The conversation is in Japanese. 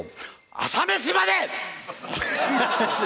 『朝メシまで。』！